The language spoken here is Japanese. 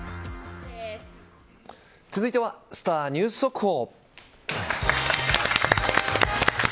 続いてはスター☆ニュース速報。